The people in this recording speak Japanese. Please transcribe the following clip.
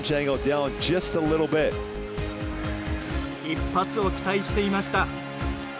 一発を期待していました。